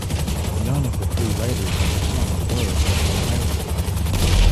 None of the three writers of the song were from Alabama.